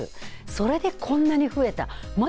それでこんなに増えた。